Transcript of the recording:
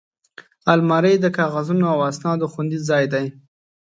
الماري د کاغذونو او اسنادو خوندي ځای دی